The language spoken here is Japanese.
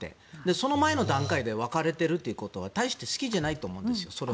その前の段階で別れてるということは大して好きではないと思うんですよ。